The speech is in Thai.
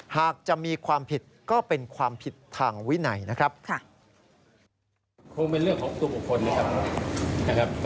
หากจะมีความผิดก็เป็นความผิดทางวินัยนะครับ